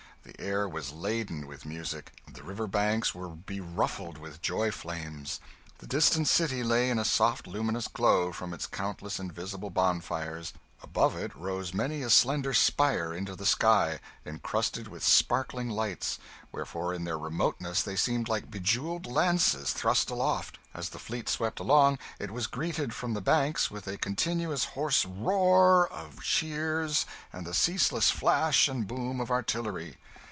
The air was laden with music; the river banks were beruffled with joy flames; the distant city lay in a soft luminous glow from its countless invisible bonfires; above it rose many a slender spire into the sky, incrusted with sparkling lights, wherefore in their remoteness they seemed like jewelled lances thrust aloft; as the fleet swept along, it was greeted from the banks with a continuous hoarse roar of cheers and the ceaseless flash and boom of artillery.